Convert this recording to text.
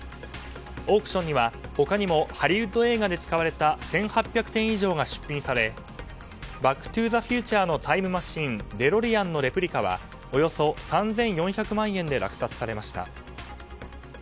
オークションには他にもハリウッド映画で使われた１８００点以上が出品され「バック・トゥ・ザ・フューチャー」のタイムマシンデロリアンのレプリカはおよそ３４００万円で落札されました。